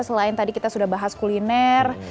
selain tadi kita sudah bahas kuliner